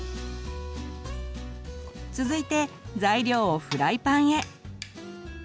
続いて材料をフライパンへ。